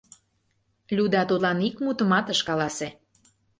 Люда тудлан ик мутымат ыш каласе.